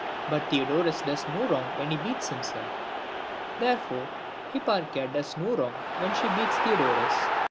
But Theodorus does no wrong when he beats himself; therefore Hipparchia does no wrong when she beats Theodorus."